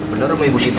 benar rumah ibu siti